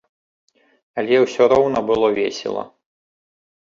Але ўсё роўна было весела.